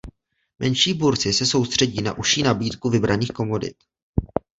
Menší burzy se soustředí na užší nabídku vybraných komodit.